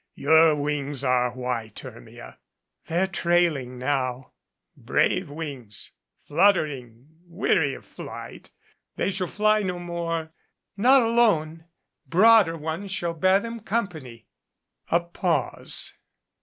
Your wings are white, Hermia." "They're trailing now " "Brave wings fluttering weary of flight. They shall fly no more " "Not alone broader ones shall bear them company." A pause.